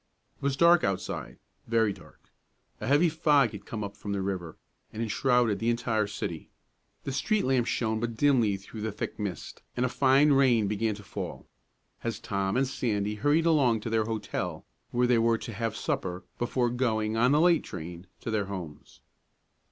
It was dark outside; very dark. A heavy fog had come up from the river and enshrouded the entire city. The street lamps shone but dimly through the thick mist, and a fine rain began to fall, as Tom and Sandy hurried along to their hotel, where they were to have supper, before going, on the late train, to their homes.